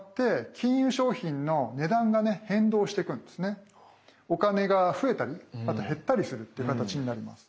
そしてお金が増えたりあと減ったりするっていう形になります。